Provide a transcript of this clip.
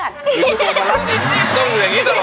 วิเจ้าพละครับ